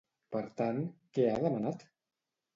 Per tant, què ha demanat?